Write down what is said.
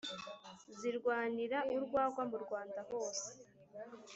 zirwanira urwagwa mu rwanda rwose